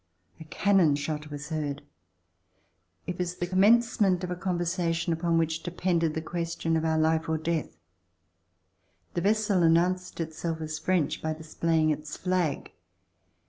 A cannon shot was heard. It was the commencement of a conversation upon which de pended the question of our life or death. The vessel announced itself as French by displaying its flag.